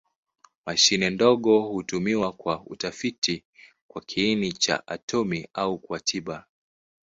Mashine ndogo hutumiwa kwa utafiti kwa kiini cha atomi au kwa tiba.